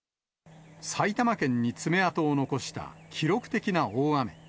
埼玉県に爪痕を残した記録的な大雨。